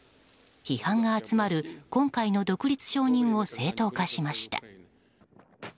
批判が集まる今回の独立承認を正当化しました。